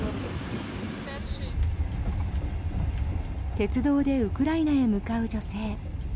鉄道でウクライナへ向かう女性。